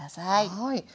はい。